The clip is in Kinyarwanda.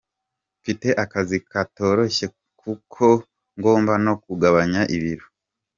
Mfite akazi katoroshye kuko ngomba no kugabanya ibiro.